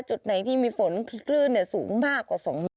จุดไหนที่มีฝนคลื่นเนี้ยสูงมากกว่าสองนิด